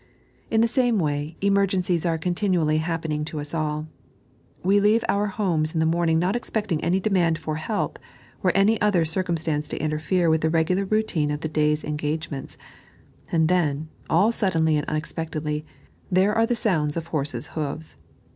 In the same way, emergencies are continually happening to us all. We leave our homes in the morning not expecting any demand for help or any other circumstance to interfere with the regular routine of the day's engage ments ; and then, all suddenly and unexpectedly, there are the sounds of horses' hoofs.